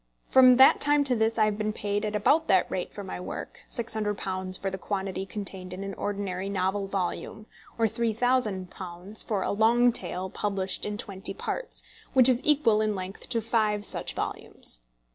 From that time to this I have been paid at about that rate for my work £600 for the quantity contained in an ordinary novel volume, or £3000 for a long tale published in twenty parts, which is equal in length to five such volumes.